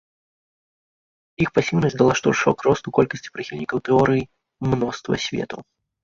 Іх пасіўнасць дала штуршок росту колькасці прыхільнікаў тэорыі мноства светаў.